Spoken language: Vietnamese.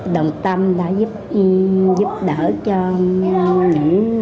đồng tâm đã giúp đỡ cho mình